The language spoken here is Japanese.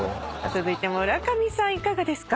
続いて村上さんいかがですか？